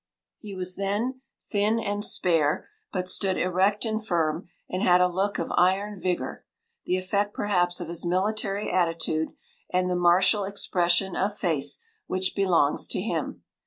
He was then thin and spare, but stood erect and firm, and had a look of iron vigour—the effect, perhaps, of his military attitude, and the martial expression of face which belongs to him.